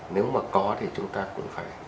nếu mà có thì chúng ta cũng phải